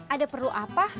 ada perlu apa